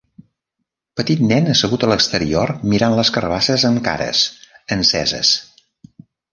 Petit nen assegut a l'exterior mirant les carbasses amb cares, enceses.